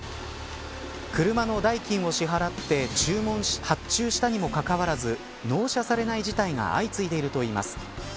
車の代金を支払って発注したにもかかわらず納車されない事態が相次いでいるといいます。